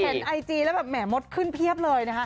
เห็นไอจีแล้วแหมมดขึ้นเพียบเลย